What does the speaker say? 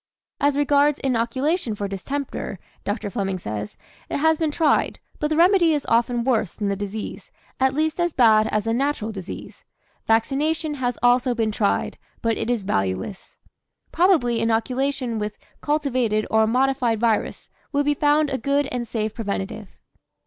"As regards inoculation for distemper," Dr. Fleming says, "it has been tried, but the remedy is often worse than the disease, at least as bad as the natural disease. Vaccination has also been tried, but it is valueless. Probably inoculation with cultivated or modified virus would be found a good and safe preventative."